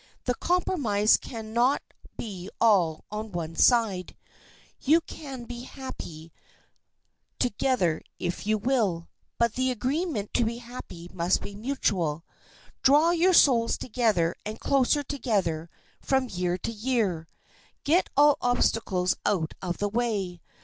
The compromise can not be all on one side. You can be happy together if you will, but the agreement to be happy must be mutual. Draw your souls closer and closer together from year to year. Get all obstacles out of the way.